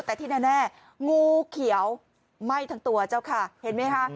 แต่ที่แน่งูเขียวไหม้ทั้งตัวเจ้าค่ะเห็นไหมคะ